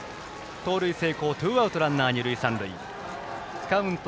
盗塁成功、ツーアウトランナー、二塁三塁。